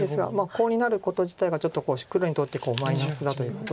コウになること自体がちょっと黒にとってマイナスだということで。